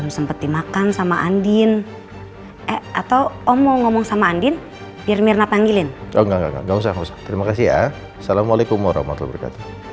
sampai jumpa di video selanjutnya